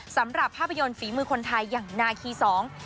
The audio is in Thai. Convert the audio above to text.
สำหรับภาพยนตร์ฝีมือคนไทยอย่างนาคีสอง